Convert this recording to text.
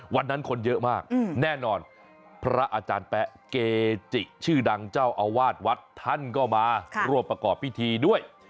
วันนั้นคนเยอะมากแน่นอนพระอาจารย์แป๊ะเกจิชื่อดังเจ้าอาวาสวัดท่านก็มาร่วมประกอบพิธีด้วย